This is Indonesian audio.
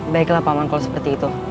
baiklah paman kalau seperti itu